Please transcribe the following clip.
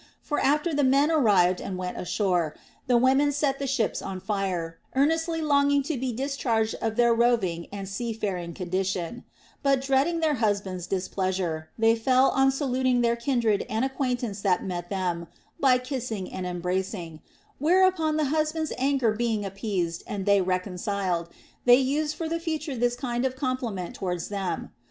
For after the men arrived and went ashore, the women set the ships on fire, earnestly longing to be discharged of their roving and seafaring condition ; but dreading their husbands' displeasure, they fell on saluting their kindred and acquaintance that met them, by kissing and embracing ; whereupon the husbands' anger being appeased and they reconciled, they used for the future this 208 THE ROMAN QUESTIONS. kind of compliment towards them.